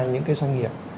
những cái doanh nghiệp